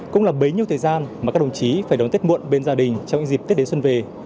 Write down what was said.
cũng là bấy nhiêu thời gian mà các đồng chí phải đón tết muộn bên gia đình trong những dịp tết đến xuân về